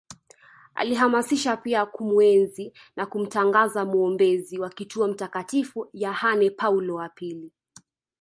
Alihamasisha pia kumuenzi na kumtangaza mwombezi wa kituo Mtakatifu Yahane Paulo wa pili